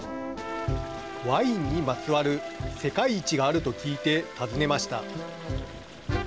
ワインにまつわる世界一があると聞いて訪ねました。